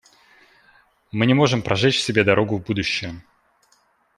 Мы не можем прожечь себе дорогу в будущее.